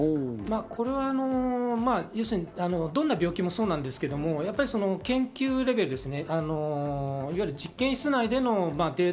これは要するに、どんな病気もそうですけど、研究レベルですね。